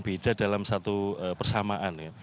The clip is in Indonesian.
beda dalam satu persamaan